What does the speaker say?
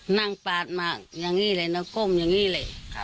ปาดมาอย่างนี้เลยนะก้มอย่างนี้เลย